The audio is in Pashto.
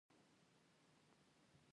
ډاکټر غرمه مهال خپل کلینیک ته لاړ.